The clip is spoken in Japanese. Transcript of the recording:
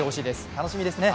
楽しみですね。